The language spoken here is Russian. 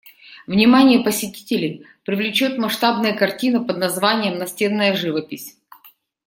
Внимание посетителей привлечет масштабная картина под названием «Настенная живопись».